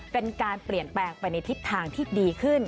เป็นการเปลี่ยนแปลงไปในทิศทางที่ดีขึ้น